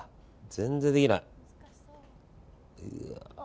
全然できない。